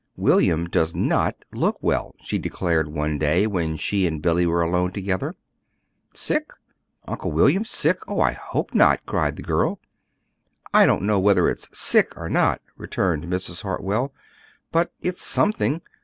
"William does NOT look well," she declared one day when she and Billy were alone together. "Sick? Uncle William sick? Oh, I hope not!" cried the girl. "I don't know whether it's 'sick' or not," returned Mrs. Hartwell. "But it's something.